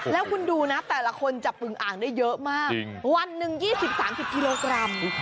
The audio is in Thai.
แล้วคุณดูนะแต่ละคนจับปึงอ่างได้เยอะมากวันหนึ่ง๒๐๓๐กิโลกรัม